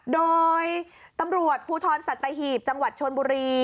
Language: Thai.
โดยตำรวจภูทรสัตหีบจังหวัดชนบุรี